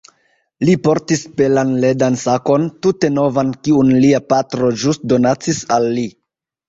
Li portis belan ledan sakon, tute novan, kiun lia patro ĵus donacis al li.